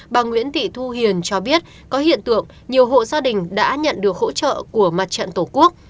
bà nguyễn thị thu hiền cho biết có hiện tượng nhiều hộ gia đình đã nhận được hỗ trợ của mặt trận tổ quốc